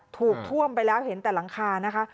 ถูกท่วมไปแล้วเห็นแต่หลังคานะคะ